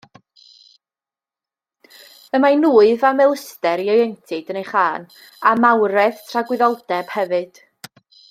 Y mae nwyf a melyster ieuenctid yn ei chân, a mawredd tragwyddoldeb hefyd.